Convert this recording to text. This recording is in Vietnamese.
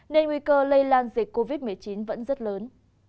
nên nguy cơ lây lan dịch covid một mươi chín vẫn rất lớn